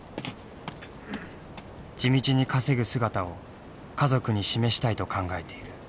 地道に稼ぐ姿を家族に示したいと考えている。